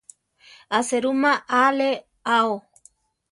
A serúma alé ao.